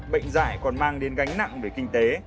bệnh giải còn mang đến gánh nặng về kinh tế